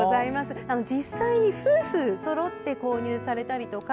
実際に夫婦そろって購入されたりとか